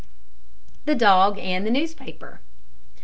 THE DOG AND THE NEWSPAPER.